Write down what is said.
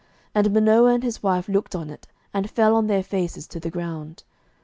And Manoah and his wife looked on it, and fell on their faces to the ground.